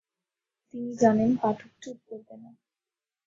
তিনি জানেন পাঠক চুপ করবে না।